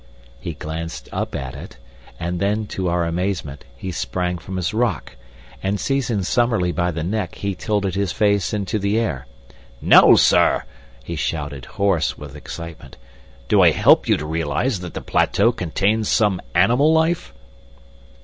He glanced up at it, and then, to our amazement, he sprang from his rock, and, seizing Summerlee by the neck, he tilted his face into the air. "Now sir!" he shouted, hoarse with excitement. "Do I help you to realize that the plateau contains some animal life?"